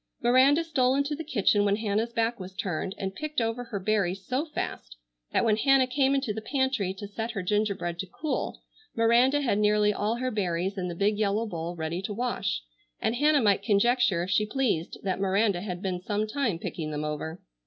Miranda stole into the kitchen when Hannah's back was turned and picked over her berries so fast that when Hannah came into the pantry to set her gingerbread to cool Miranda had nearly all her berries in the big yellow bowl ready to wash, and Hannah might conjecture if she pleased that Miranda had been some time picking them over.